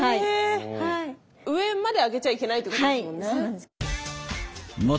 上まで上げちゃいけないってことなんですね。